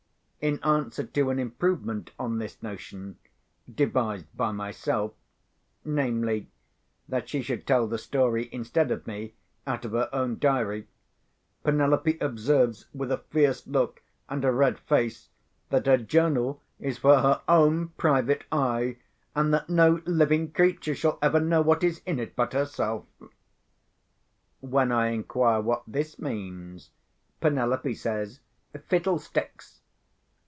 In answer to an improvement on this notion, devised by myself, namely, that she should tell the story instead of me, out of her own diary, Penelope observes, with a fierce look and a red face, that her journal is for her own private eye, and that no living creature shall ever know what is in it but herself. When I inquire what this means, Penelope says, "Fiddlesticks!"